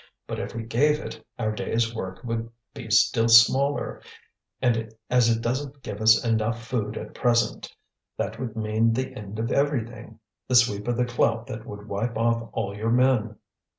But if we gave it, our day's work would be still smaller, and as it doesn't give us enough food at present, that would mean the end of everything, the sweep of the clout that would wipe off all your men.